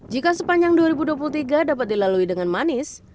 jika sepanjang dua ribu dua puluh tiga dapat dilalui dengan manis